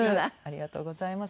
ありがとうございます。